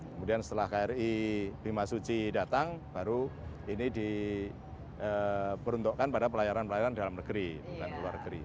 kemudian setelah kri bimasuci datang baru ini diperuntukkan pada pelayaran pelayaran dalam negeri bukan luar negeri